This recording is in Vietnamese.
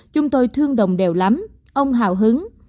chúng tôi thương đồng đều lắm ông hào hứng